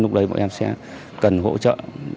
lúc đấy bọn em sẽ cần hỗ trợ